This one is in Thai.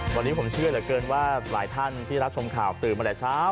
วันนี้ผมเชื่อเหลือเกินว่าหลายท่านที่รับชมข่าวตื่นมาแต่เช้า